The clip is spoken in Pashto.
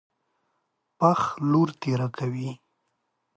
پښ لور تېره کوي.